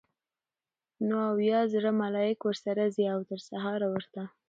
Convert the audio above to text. نو اويا زره ملائک ورسره ځي؛ او تر سهاره ورته